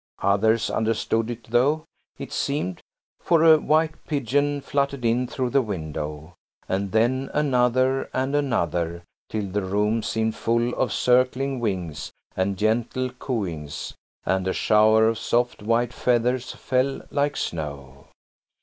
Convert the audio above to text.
Others understood it though, it seemed, for a white pigeon fluttered in through the window, and then another and another, till the room seemed full of circling wings and gentle cooings, and a shower of soft, white feathers fell like snow.